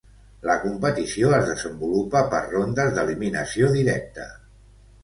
La competició es desenvolupa per rondes d'eliminació directa.